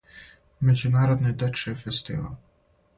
Међународни дечији фестивал.